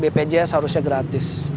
bpjs harusnya gratis